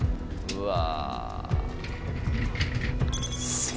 うわ！